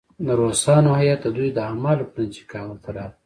د روسانو هیات د دوی د اعمالو په نتیجه کې کابل ته راغی.